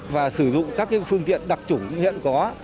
và sử dụng các phương tiện đặc trùng hiện có